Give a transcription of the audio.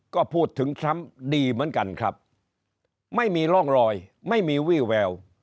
ก็พูดถึงทรัมป์ดีเหมือนกันครับไม่มีร่องรอยไม่มีวี่แวว